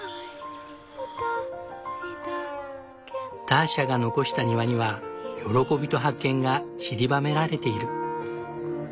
ターシャが残した庭には喜びと発見がちりばめられている。